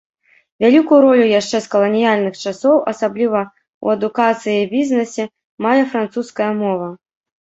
Вялікую ролю яшчэ з каланіяльных часоў, асабліва ў адукацыі і бізнесе, мае французская мова.